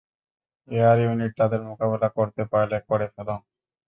Air unit তাদের মোকাবিলা করতে পারলে, করে ফেলো।